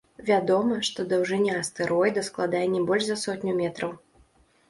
Вядома, што даўжыня астэроіда складае не больш за сотню метраў.